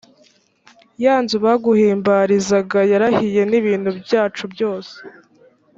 ya nzu baguhimbarizaga yarahiye n’ibintu byacu byose